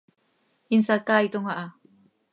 Insacaaitom aha.